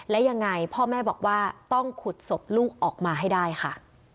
และยังไงพ่อแม่บอกว่าต้องขุดศพลูกออกมาให้ได้ค่ะ